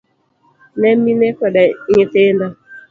ne mine koda nyithindo.